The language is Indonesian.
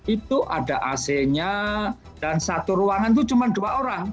itu ada ac nya dan satu ruangan itu cuma dua orang